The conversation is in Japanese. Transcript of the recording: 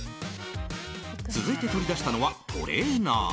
続いて取り出したのはトレーナー。